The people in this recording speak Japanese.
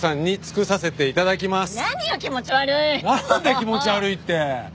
気持ち悪いって。